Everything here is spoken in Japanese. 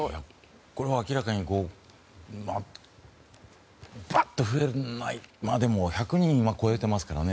これは明らかにバッと増えないまでも１００人を今超えてますからね。